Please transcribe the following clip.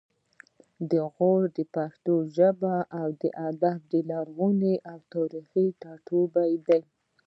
غور د پښتو ژبې او ادب یو لرغونی او تاریخي ټاټوبی دی